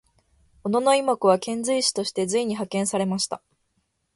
小野妹子は遣隋使として隋に派遣されました。